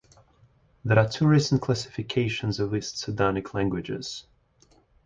There are two recent classifications of East Sudanic languages.